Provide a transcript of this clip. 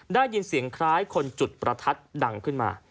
ได้ยินเสียงคล้ายคนจุดประทัดดังขึ้นมา